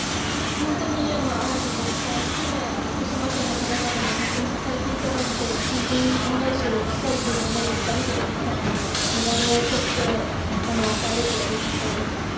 本当に荒木ご夫妻含め、福島県の方々に本当に支えていただいて、本当に恩返しをしたいという想いで２人でやってきたので、メダルありがとうございます。